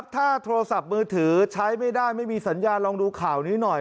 ถ้าโทรศัพท์มือถือใช้ไม่ได้ไม่มีสัญญาลองดูข่าวนี้หน่อย